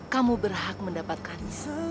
kamu berhak mendapatkannya